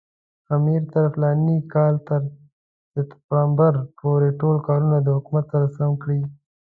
امیر تر فلاني کال تر سپټمبر پورې ټول کارونه د حکومت سره سم کړي.